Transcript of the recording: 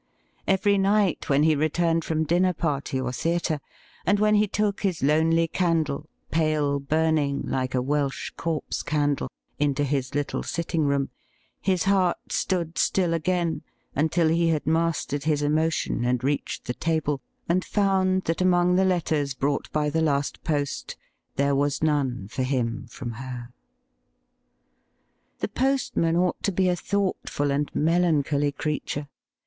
Every night when he returned from dinner party or theatre, and when he took his lonely candle, pale burning like a Welsh corpse candle, into his little sitting room, his heart stood still again until he had mastered his emotion and reached the table, and found that among the letters brought by the last post there was none for him from her. The postman ought to be a thoughtful and melancholy creatvue.